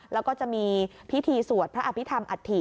แล้วก็จะมีพิธีสวดพระอภิษฐรรัฐิ